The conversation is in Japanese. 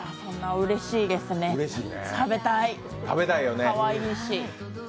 うれしいですね、食べたい、かわいいし。